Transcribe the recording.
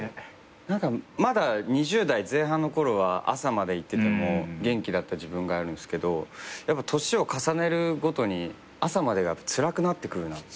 まだ２０代前半の頃は朝まで行ってても元気だった自分があるんすけど年を重ねるごとに朝までがつらくなってくるなって。